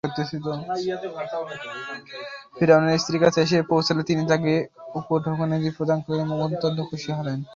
ফিরআউনের স্ত্রীর কাছে এসে পৌঁছলে তিনিও তাকে উপঢৌকনাদি প্রদান করলেন এবং অত্যন্ত খুশি হলেন।